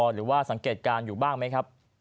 หรือว่าสังเกตการณ์อยู่บ้างไหมครับ